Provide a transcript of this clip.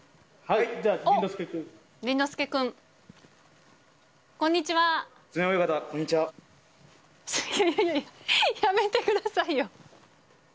いやいや、やめてくださいよ。